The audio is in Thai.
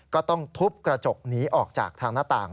ก็ต้องทุบกระจกหนีออกจากทางหน้าต่าง